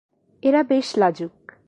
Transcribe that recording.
এরা বেশ লাজুক।